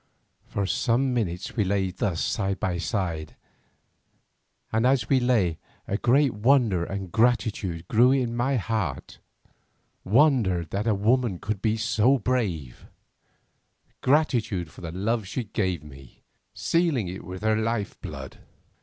For some minutes we lay thus side by side, and as we lay a great wonder and gratitude grew in my heart, wonder that a woman could be so brave, gratitude for the love she gave me, sealing it with her life blood.